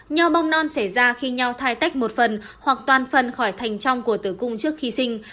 nho bong non xảy ra khi nho thay tách một phần hoặc toàn phần khỏi thành trong của tử cung trước khi sinh